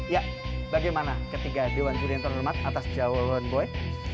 ya bagaimana ketiga dewan juri yang terhormat atas jawaban boy